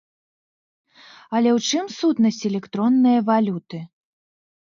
Але ў чым сутнасць электроннае валюты?